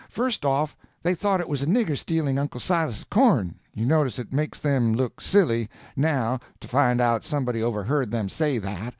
First off they thought it was a nigger stealing Uncle Silas's corn—you notice it makes them look silly, now, to find out somebody overheard them say that.